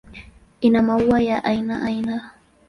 Ina maua ya aina aina.